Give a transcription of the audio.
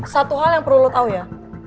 satu hal yang perlu lo tahu ya